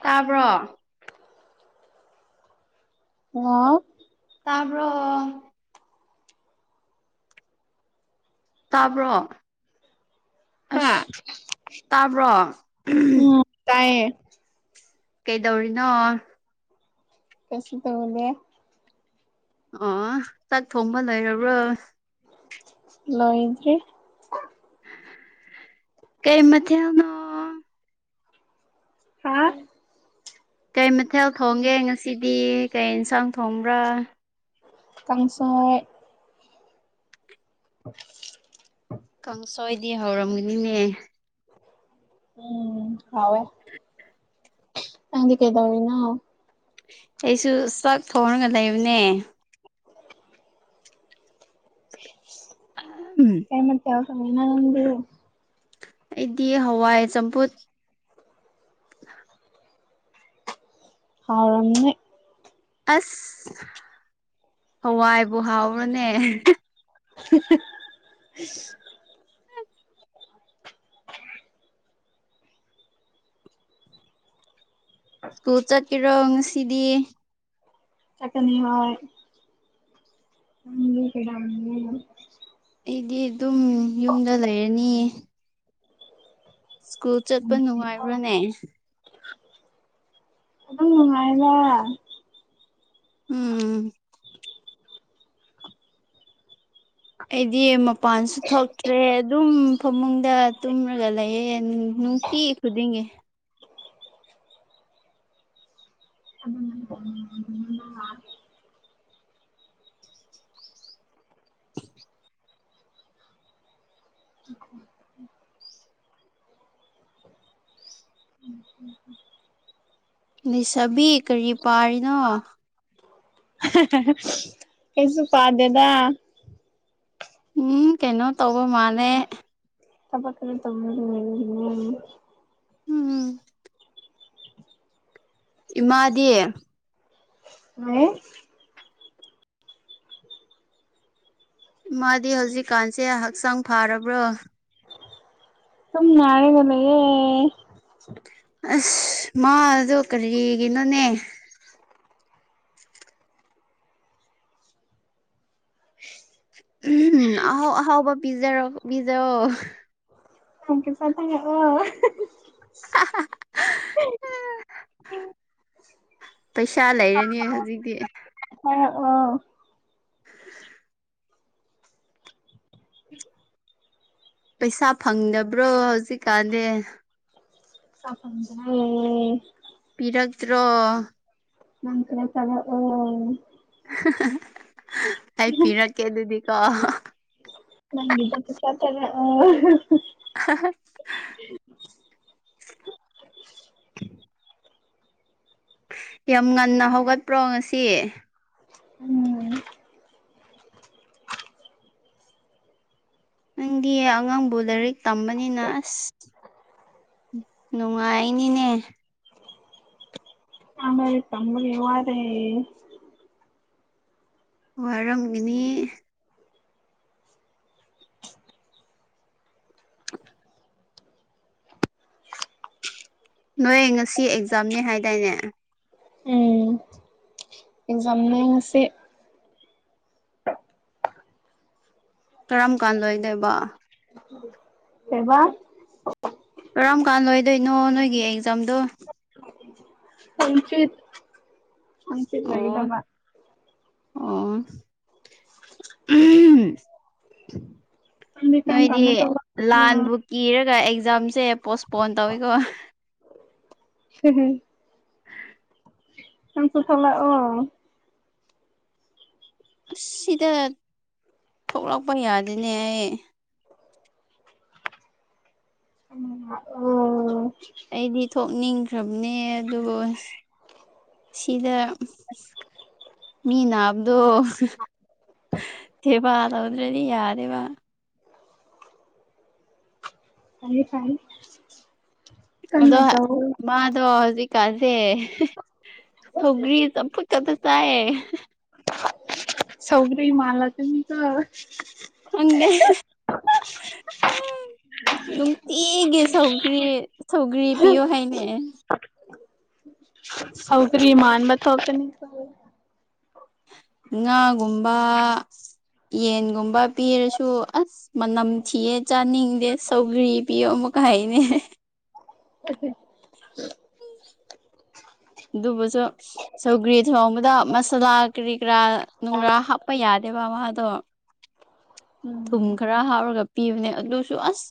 ꯇꯥꯕ꯭ꯔꯣ ꯍꯥꯎ ꯇꯥꯕ꯭ꯔꯣ ꯇꯥꯕ꯭ꯔꯣ ꯍꯥꯥ ꯑꯁ ꯇꯥꯕ꯭ꯔꯣ ꯎꯝ ꯀꯩꯗꯧꯔꯤꯅꯣ ꯀꯩꯁꯨ ꯇꯧꯗꯦ ꯑꯣ ꯆꯥꯛ ꯊꯣꯡꯕ ꯂꯩꯔꯕ꯭ꯔꯣ ꯂꯣꯏꯗ꯭ꯔꯤ ꯀꯩ ꯃꯊꯦꯜꯅꯣ ꯍꯥꯥ ꯀꯩ ꯃꯊꯦꯜ ꯊꯣꯡꯒꯦ ꯉꯁꯤꯗꯤ ꯀꯩ ꯏꯟꯁꯥꯡ ꯊꯣꯡꯕ꯭ꯔꯥ ꯀꯥꯡꯁꯣꯏ [inaudible] ꯀꯥꯡꯁꯣꯏꯗꯤ ꯍꯧꯔꯝꯒꯅꯤꯅꯦ ꯎꯝ ꯍꯥꯎꯋꯦ ꯅꯪꯗꯤ ꯀꯩꯗꯧꯔꯤꯅꯣ ꯑꯩꯁꯨ ꯆꯥꯛ ꯊꯣꯡꯔꯒ ꯂꯩꯕꯅꯦ [unintelligible] ꯎꯝ ꯀꯩ ꯃꯊꯦꯜ ꯊꯣꯡꯉꯤꯅꯣ ꯅꯪꯕꯨ ꯑꯩꯗꯤ ꯍꯋꯥꯏ ꯆꯝꯐꯨꯠ ꯍꯥꯎꯔꯝꯅꯤ ꯑꯁ ꯍꯋꯥꯏꯕꯨ ꯍꯥꯎꯕ꯭ꯔꯣꯅꯦ [unintelligible] ꯁ꯭ꯀꯨꯜ ꯆꯠꯀꯦꯔꯣ ꯉꯁꯤꯗꯤ ꯆꯠꯀꯅꯤ ꯍꯣꯏ [unintelligible] ꯑꯩꯗꯤ ꯑꯗꯨꯝ ꯌꯨꯝꯗ ꯂꯩꯔꯅꯤ ꯁ꯭ꯀꯨꯜ ꯆꯠꯄ ꯅꯨꯡꯉꯥꯏꯕ꯭ꯔꯥꯅꯦ ꯑꯗꯨꯝ ꯅꯨꯡꯉꯥꯏꯗ ꯎꯝ ꯑꯩꯗꯤ ꯃꯄꯥꯟꯁꯨ ꯊꯣꯛꯇ꯭ꯔꯦ ꯑꯗꯨꯝ ꯐꯃꯨꯡꯗ ꯇꯨꯝꯔꯒ ꯂꯩꯌꯦ ꯅꯨꯡꯇꯤ ꯈꯨꯗꯤꯡꯒꯤ [unintelligible] [inaudible] [unintelligible] ꯂꯤꯁꯥꯕꯤ ꯀꯔꯤ ꯄꯥꯔꯤꯅꯣ ꯀꯩꯁꯨ ꯄꯥꯗꯦꯗ ꯎꯝ ꯀꯩꯅꯣ ꯇꯧꯕ ꯃꯥꯜꯂꯦ [unintelligible] ꯎꯝ ꯏꯃꯥꯗꯤ ꯂꯩ ꯏꯃꯥꯗꯤ ꯍꯧꯖꯤꯛꯀꯥꯟꯁꯦ ꯍꯛꯆꯥꯡ ꯐꯥꯔꯕ꯭ꯔꯣ ꯁꯨꯝ ꯅꯥꯔꯒ ꯂꯩꯌꯦ ꯑꯁ ꯃꯥꯗꯣ ꯀꯔꯤꯒꯤꯅꯣꯅꯦ [unintelligible] ꯎꯝ ꯑꯍꯥꯎ ꯑꯍꯥꯎꯕ ꯄꯤꯖꯔꯣ ꯄꯤꯖꯑꯣ [unintelligible] [inaudible] ꯄꯩꯁꯥ ꯂꯩꯔꯅꯤ ꯍꯧꯖꯤꯛꯇꯤ ꯊꯥꯔꯛꯑꯣ ꯄꯩꯁꯥ ꯐꯪꯗꯕ꯭ꯔꯣ ꯍꯧꯖꯤꯛꯀꯥꯟꯗꯤ ꯄꯩꯁꯥ ꯐꯪꯗꯔꯦ ꯄꯤꯔꯛꯇ꯭ꯔꯣ ꯅꯪ ꯈꯔ ꯀꯥꯞꯂꯛꯑꯣ ꯑꯩ ꯄꯤꯔꯛꯀꯦ ꯑꯗꯨꯗꯤꯀꯣ ꯅꯪꯒꯤꯗꯣ ꯄꯩꯁꯥ ꯊꯥꯔꯛꯑꯣ [unintelligible] ꯌꯥꯝ ꯉꯟꯅ ꯍꯧꯒꯠꯄ꯭ꯔꯣ ꯉꯁꯤ ꯎꯝ ꯅꯪꯗꯤ ꯑꯉꯥꯡꯕꯨ ꯂꯥꯏꯔꯤꯛ ꯇꯝꯕꯅꯤꯅ ꯑꯁ ꯅꯨꯡꯉꯥꯏꯅꯤꯅꯦ ꯑ ꯀꯝꯕꯒꯤ ꯋꯥꯔꯦ ꯋꯥꯔꯝꯃꯤꯅꯤ ꯅꯣꯏ ꯉꯁꯤ ꯑꯦꯛꯖꯥꯝꯅꯦ ꯍꯥꯏꯗꯥꯏꯅꯦ ꯎꯝ ꯑꯦꯖꯝꯅ ꯉꯁꯦ ꯀꯔꯝ ꯀꯥꯟꯗꯣꯗꯦꯕ ꯀꯕꯥ ꯀꯔꯝ ꯀꯥꯟ ꯂꯣꯏꯗꯣꯏꯅꯣ ꯅꯣꯏꯒꯤ ꯑꯦꯛꯖꯥꯝꯗꯣ ꯄꯨꯆ ꯄꯆꯤꯁ ꯑꯣ ꯂꯒꯗꯕ ꯑꯣ ꯅꯪꯗꯤ ꯀꯔꯝ ꯅꯣꯏꯗꯤ ꯀꯥꯟꯗ ꯊꯣꯛꯂꯛꯇꯣꯏꯅꯣ ꯂꯥꯟꯕꯨ ꯀꯤꯔꯒ ꯑꯦꯛꯖꯥꯝꯁꯦ ꯄꯣꯁꯄꯣꯟ ꯇꯧꯋꯤꯀꯣ ꯍꯝ ꯍꯝ ꯁꯪꯁꯨꯁꯂ ꯑꯣ ꯑꯁ ꯁꯤꯗ ꯊꯣꯛꯂꯛꯄ ꯌꯥꯗꯤꯅꯦ ꯑꯩ ꯎ ꯑꯣ ꯑꯩꯗꯤ ꯊꯣꯛꯅꯤꯡꯈ꯭ꯔꯕꯅꯦ ꯑꯗꯨꯕꯨ ꯁꯤꯗ ꯃꯤ ꯅꯕꯗꯣ ꯁꯦꯕꯥ ꯇꯧꯗ꯭ꯔꯗꯤ ꯌꯥꯗꯦꯕ ꯀꯅꯤ ꯐꯥꯏ ꯑꯗꯣ ꯃꯥꯗꯣ ꯍꯧꯖꯤꯛꯀꯥꯟꯥꯁꯦ ꯁꯧꯒ꯭ꯔꯤ ꯆꯝꯐꯨꯠ ꯗ ꯆꯥꯏꯌꯦ ꯁꯧꯒ꯭ꯔꯍꯤ ꯃꯥꯂ ꯇꯃꯤ ꯀ ꯑꯪ ꯎ ꯅꯨꯡꯇꯤꯒꯤ ꯁꯧꯒꯔꯤ ꯁꯧꯒ꯭ꯔꯤ ꯄꯤꯌꯣ ꯍꯥꯏꯅꯦ ꯍꯥꯎꯗ꯭ꯔꯤ ꯃꯥꯥꯟ ꯃ ꯍꯇꯅꯤ ꯉꯥꯒꯨꯝꯕ ꯌꯦꯟꯒꯨꯝꯕ ꯄꯤꯔꯁꯨ ꯑꯁ ꯃꯅꯝ ꯊꯤꯌꯦ ꯆꯥꯅꯤꯡꯗꯦ ꯁꯧꯒ꯭ꯔꯤ ꯄꯤꯌꯣ ꯑꯃꯨꯛꯀ ꯍꯥꯏꯅꯦ ꯎ ꯑꯗꯨꯕꯨꯁꯨ ꯁꯧꯒ꯭ꯔꯤ ꯊꯣꯡꯣꯡꯕꯗ ꯃꯁꯥꯂꯥ ꯀꯔꯤ ꯀꯔꯥ ꯅꯨꯡꯒꯔꯥꯞ ꯀꯄ ꯌꯥꯗꯦꯕ ꯃꯥꯗꯣ ꯎꯝ ꯊꯨꯝ ꯈꯔ ꯍꯥꯎꯔꯒ ꯄꯤꯕꯅꯦ ꯑꯗꯨꯁꯨ ꯑꯁ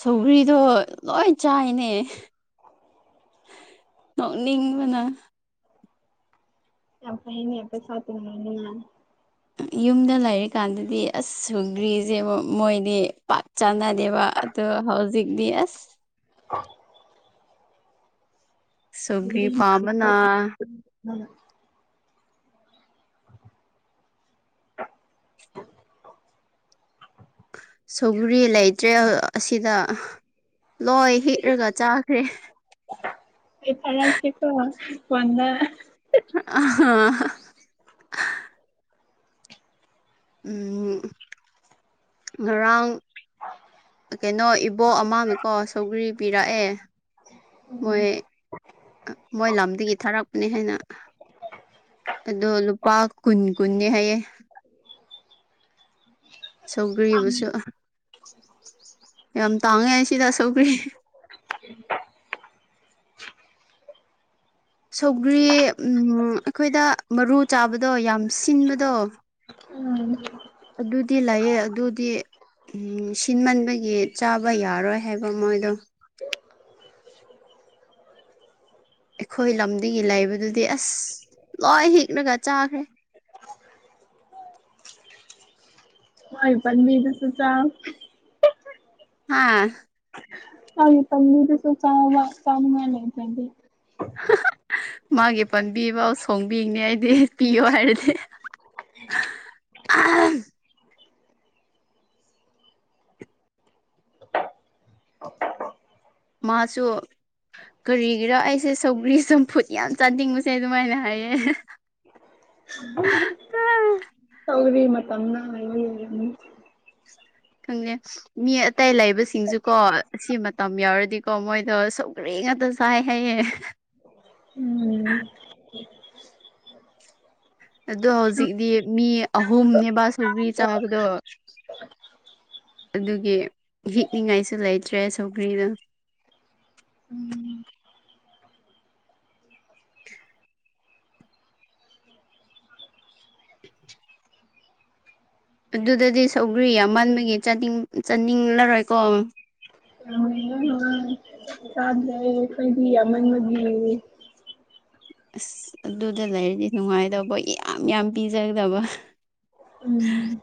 ꯁꯧꯒꯔꯤꯗꯣ ꯂꯣꯏ ꯆꯥꯏꯅꯦ ꯅꯣꯛꯅꯤꯡꯕꯅ ꯌꯥꯝ ꯐ ꯍꯅꯤ ꯑꯩ ꯄꯩꯁꯇꯅꯅꯤ ꯌꯨꯝꯗ ꯂꯩꯔꯤꯀꯥꯟꯗꯗꯤ ꯑꯁ ꯁꯨꯒ꯭ꯔꯤꯁꯦ ꯃꯣꯏꯗꯤ ꯄꯥꯛ ꯆꯥꯟꯅꯥ ꯗꯦꯕ ꯑꯗꯨ ꯍꯧꯖꯤꯛꯗꯤ ꯑꯁ ꯑ ꯁꯧꯒ꯭ꯔꯤ ꯄꯥꯝꯕꯅ [inaudible] ꯁꯨꯒꯔꯤ ꯂꯩꯇ꯭ꯔꯦ ꯑꯁꯤꯗ ꯂꯣꯏ ꯍꯤꯛꯔꯒ ꯆꯥꯈ꯭ꯔꯦ ꯏ ꯊꯥꯔ ꯊꯀꯣ ꯀꯟꯗ ꯑ ꯎ ꯉꯔꯥꯡ ꯀꯩꯅꯣ ꯏꯕꯣꯛ ꯑꯃꯅꯦꯀꯣ ꯁꯧꯒ꯭ꯔꯤ ꯄꯤꯔꯛꯑꯦ ꯃꯣꯏ ꯃꯣꯏ ꯂꯝꯗꯒꯤ ꯊꯥꯔꯛ ꯅꯦ ꯍꯥꯏꯅ ꯑꯗꯣ ꯂꯨꯄꯥ ꯀꯨꯟ ꯀꯨꯟꯗꯤ ꯍꯥꯏꯌꯦꯦ ꯁꯧꯒ꯭ꯔꯤꯕꯁꯨ ꯌꯥꯝ ꯇꯥꯡꯉꯦ ꯁꯤꯗ ꯁꯧꯒ꯭ꯔꯤ ꯁꯧꯒ꯭ꯔꯤ ꯑꯩꯈꯣꯏꯗ ꯃꯔꯨ ꯆꯥꯕꯗꯣ ꯌꯥꯝ ꯁꯤꯟꯕꯗꯣ ꯎ ꯑꯗꯨꯗꯤ ꯂꯥꯛꯑꯦ ꯑꯗꯨꯗꯤ ꯁꯤꯟꯃꯟꯕꯒꯤ ꯆꯥꯕ ꯌꯥꯔꯣꯏ ꯍꯥꯏꯕ ꯃꯣꯏꯗꯣ ꯑꯩꯈꯣꯏ ꯂꯝꯗꯒꯤ ꯂꯩꯕꯗꯨꯗꯤ ꯑꯁ ꯂꯣꯏ ꯍꯤꯛꯂꯒ ꯆꯥꯈ꯭ꯔꯦ ꯍꯣꯏ ꯄꯃꯤꯗꯁꯨ ꯆ ꯍꯥꯥ ꯍꯥꯏ ꯇꯁꯨ ꯆꯃ ꯆꯃꯃꯅ ꯂꯩꯗꯤ ꯃꯥꯒꯤ ꯄꯥꯟꯕꯤꯐꯥꯎ ꯁꯣꯡꯕꯤꯅꯤ ꯑꯩꯗꯤ ꯄꯤꯌꯣ ꯍꯥꯏꯔꯗꯤ ꯃꯥꯁꯨ ꯀꯔꯤꯒꯤꯔꯥ ꯑꯩꯁꯦ ꯁꯧꯒ꯭ꯔꯤ ꯆꯝꯐꯨꯠ ꯌꯥꯝ ꯆꯥꯅꯤꯡꯕꯁꯦ ꯑꯗꯨꯃꯥꯏꯅ ꯍꯥꯏꯌꯦ ꯎ ꯇꯧꯔꯤ ꯃꯅ ꯈꯪꯅꯦꯦ ꯃꯤ ꯑꯇꯩ ꯂꯩꯕꯁꯤꯡꯁꯨ ꯀꯣ ꯁꯤ ꯃꯇꯝ ꯌꯥꯎꯔꯗꯤꯀꯣ ꯃꯣꯏꯗ ꯁꯧꯒ꯭ꯔꯦ ꯉꯥꯛꯇ ꯆꯥꯏ ꯍꯥꯏꯌꯦ ꯎꯝ ꯑꯗꯣ ꯍꯧꯖꯤꯛꯇꯤ ꯃꯤ ꯑꯍꯨꯝꯅꯦꯕꯕꯥ ꯁꯧꯒ꯭ꯔꯤ ꯆꯥꯕꯗꯣ ꯑꯗꯨꯒꯤ ꯍꯤꯛꯅꯤꯡꯉꯥꯏꯁꯨ ꯂꯩꯇ꯭ꯔꯦ ꯁꯧꯒ꯭ꯔꯤꯗ [unintelligible] ꯑꯗꯨꯗꯗꯤ ꯁꯧꯒ꯭ꯔꯤ ꯌꯥꯝ ꯃꯟꯕꯒꯤꯅꯤꯡ ꯆꯥꯅꯤꯡꯂꯔꯣꯏꯀꯣ ꯑ ꯆꯥꯗꯦ ꯑꯩꯈꯣꯏꯗꯤ ꯌꯥꯝꯃꯟꯕꯒꯤ ꯑꯁ ꯑꯗꯨꯗ ꯂꯩꯔꯗꯤ ꯅꯨꯡꯉꯥꯏꯇꯕ ꯌꯥꯝ ꯌꯥꯝ ꯄꯤꯖꯒꯗꯕ ꯎꯝ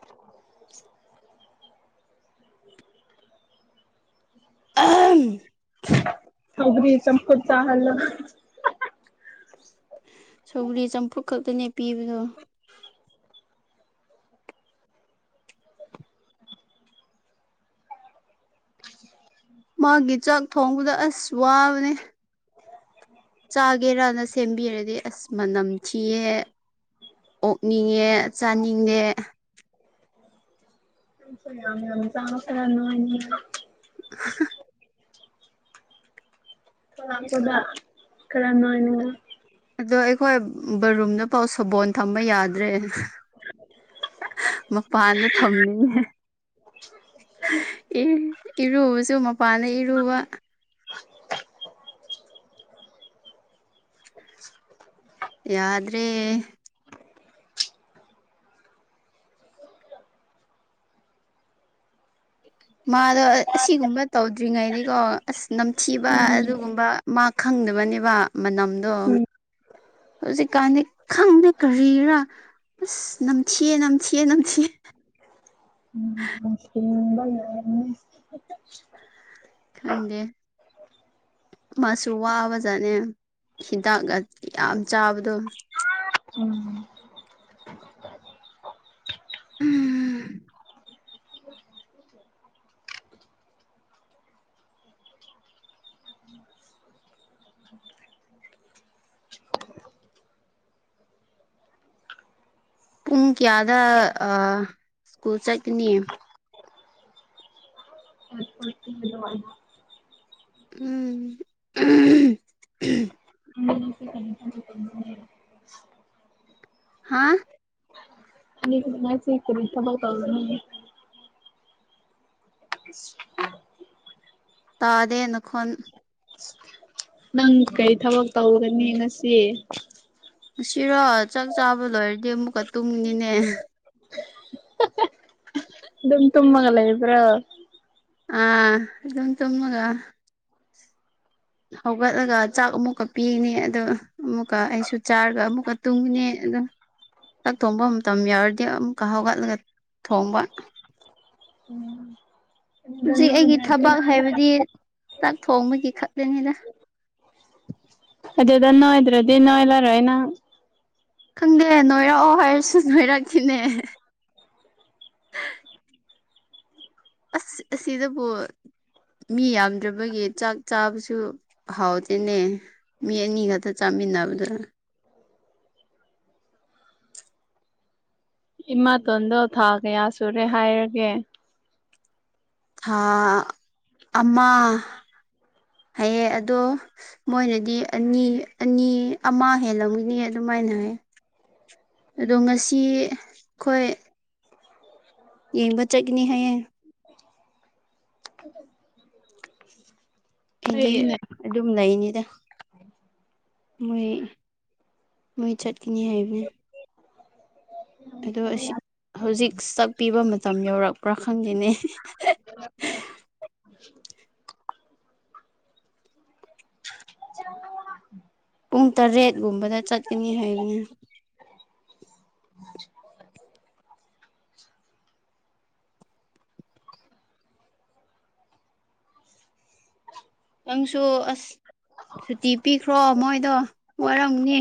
ꯎ ꯍꯧꯕꯔꯤ ꯆꯄ ꯆꯥꯍꯜ ꯁꯧꯒꯔꯤ ꯆꯝꯐꯨꯠ ꯈꯛꯇꯅꯦ ꯄꯤꯕꯗꯣ ꯃꯥꯒꯤ ꯆꯥꯛ ꯊꯣꯡꯕꯗ ꯑꯁ ꯋꯥꯕꯅꯦ ꯆꯥꯒꯦꯔꯥꯅ ꯁꯦꯝꯕꯤꯔꯗꯤ ꯑꯁ ꯃꯅꯝ ꯊꯤꯌꯦ ꯑꯣꯛꯅꯤꯡꯉꯦ ꯆꯥꯅꯤꯡꯉꯦ ꯆꯥꯃꯔꯉꯤ [unintelligible] ꯈꯥꯛꯄꯗ ꯀꯔꯝꯅꯣꯅ ꯑꯗꯣ ꯑꯩꯈꯣꯏ ꯕꯔꯨꯝꯗ ꯄꯥꯎ ꯁꯕꯣꯟ ꯊꯝꯕ ꯌꯥꯗ꯭ꯔꯦ ꯃꯄꯥꯟꯗ ꯊꯝꯅꯤꯡꯉ [unintelligible] ꯏꯔꯨꯕꯁꯨ ꯃꯄꯥꯟꯅ ꯏꯔꯨꯕ ꯌꯥꯗ꯭ꯔꯦ ꯃꯥꯗꯣ ꯑꯁꯤꯒꯨꯝꯕ ꯇꯧꯗ꯭ꯔꯤꯉꯩꯗꯤꯀꯣ ꯑꯁ ꯅꯝꯊꯤꯕ ꯎꯝ ꯑꯗꯨꯒꯨꯝꯕ ꯃꯥ ꯈꯪꯗꯕꯅꯦꯕ ꯃꯅꯝꯗꯣ ꯎꯝ ꯍꯧꯖꯤꯛꯀꯥꯟꯗꯤ ꯈꯪꯗꯦ ꯀꯔꯤꯔꯥ ꯑꯁ ꯅꯝꯊꯤꯑ ꯅꯝꯊꯤꯌꯦ ꯅꯝꯊꯤꯦ ꯎꯝ [unintelligible] ꯈꯪꯗꯦ ꯃꯁꯨ ꯋꯥꯕꯖꯥꯠꯅꯦ ꯍꯤꯗꯥꯛ ꯌꯥꯝ ꯆꯥꯕꯗꯣ ꯎꯝ [unintelligible] ꯎꯝ ꯎꯝ ꯄꯨꯡ ꯀꯌꯥꯗ ꯁ꯭ꯀꯨꯜ ꯆꯠꯀꯅꯤ ꯇꯦ ꯑꯗꯨ ꯎꯝ ꯎ ꯀꯩꯅ ꯍꯥꯥ ꯑꯉꯥꯏ ꯆꯦꯔꯤ ꯏ ꯊꯕ ꯇꯧꯖ ꯎꯝ ꯇꯥꯗꯦꯅ ꯈꯣꯟ ꯅꯪ ꯀꯔꯤ ꯊꯕꯛ ꯇꯧꯒꯅꯤ ꯉꯁꯤ ꯑꯁꯤꯔꯣ ꯆꯥꯛ ꯆꯥꯕ ꯂꯣꯏꯔꯗꯤ ꯑꯃꯨꯛꯀ ꯇꯨꯡꯅꯤꯅꯦ ꯑꯗꯨꯝ ꯇꯨꯝꯃꯒꯂ ꯏꯕ꯭ꯔꯥ ꯑꯥ ꯑꯗꯨꯝ ꯆꯃꯒ ꯍꯧꯒꯠꯂꯒ ꯆꯥꯛ ꯑꯃꯨꯛꯀ ꯄꯤꯅꯦ ꯑ ꯑꯃꯨꯛꯀ ꯑꯩꯁꯨ ꯆꯥꯔꯒ ꯑꯃꯨꯛꯀ ꯇꯨꯡꯉꯤꯅꯦ ꯑ ꯆꯛ ꯊꯣꯡꯕ ꯃꯇꯝ ꯌꯥꯎꯔꯗꯤ ꯑꯃꯨꯛꯀ ꯍꯧꯒꯠꯂꯒ ꯊꯣꯡꯕ ꯎꯝ ꯍꯧꯖꯤꯛ ꯑꯩꯒꯤ ꯊꯕꯛ ꯍꯥꯏꯕꯗꯤ ꯆꯥꯛ ꯊꯣꯡꯕꯒꯤ ꯈꯛꯇꯅꯤꯅ ꯑꯗꯨꯗꯗ ꯅꯅꯥꯣꯏꯗ꯭ꯔꯣꯗꯤ ꯅꯣꯏꯂꯔꯣꯣꯏꯅ ꯈꯪꯗꯦ ꯅꯣꯏꯔꯛꯑꯣ ꯍꯥꯏꯔꯁꯨ ꯅꯣꯏꯔꯛꯈꯤꯅꯦ ꯑꯁ ꯑꯁꯤ ꯑꯁꯤꯗꯣ ꯃꯤ ꯌꯥꯝꯗ꯭ꯔꯕꯒꯤ ꯆꯥꯛ ꯆꯥꯕꯁꯨ ꯍꯥꯎꯇꯦꯅꯦ ꯃꯤ ꯑꯅꯤ ꯈꯛꯇ ꯆꯥꯃꯤꯟꯅꯕꯗꯨꯅ ꯏꯃꯥꯇꯣꯟꯗꯣ ꯊꯥ ꯀꯌꯥ ꯁꯨꯔꯦ ꯍꯥꯏꯔꯒꯦ ꯊꯥ ꯑꯃ ꯍꯥꯏꯌꯦ ꯑꯗꯣ ꯃꯣꯏꯅꯗꯤ ꯑꯅꯤ ꯑꯅꯤ ꯑꯃ ꯍꯦꯜꯂꯝꯈꯤꯅꯤ ꯑꯗꯨꯃꯥꯏꯅ ꯍꯥꯏ ꯑꯗꯣ ꯉꯁꯤ ꯑꯩꯈꯣꯏ ꯌꯦꯡꯕ ꯆꯠꯈꯤꯅꯤ ꯍꯥꯏꯌꯦꯡ ꯑ ꯑꯩꯗꯤ ꯑꯗꯨꯝ ꯂꯩꯅꯤꯗ ꯃꯣꯏ ꯃꯣꯏ ꯆꯠꯀꯅꯤ ꯍꯥꯏꯕꯅꯦ [unintelligible] ꯑꯗꯣ ꯍꯧꯖꯤꯛꯛꯄꯤꯕ ꯃꯇꯝ ꯌꯧꯔꯛꯄ꯭ꯔꯥ ꯈꯪꯗꯦꯅꯦ [unintelligible] [unintelligible] ꯑꯃꯨ ꯇ ꯔꯦꯠꯒꯨꯝꯕꯗ ꯆꯠꯀꯅꯤ ꯍꯥꯏꯕꯅꯦ ꯎ ꯅꯪꯁꯨ ꯑꯁ ꯁꯨꯇꯤ ꯄꯤꯈ꯭ꯔꯣ ꯃꯣꯏꯗꯣ ꯋꯥꯔꯝꯅꯤ